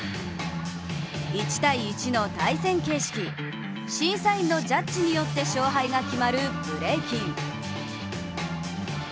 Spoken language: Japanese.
１対１の対戦形式審査員のジャッジによって勝敗が決まるブレイキン。